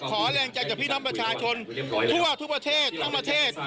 แรงใจจากพี่น้องประชาชนทั่วทุกประเทศทั้งประเทศ